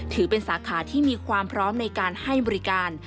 ถือเป็นสาขาที่มีความพร้อมในการให้บริการ